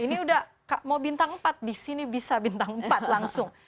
ini sudah mau bintang empat disini bisa bintang empat langsung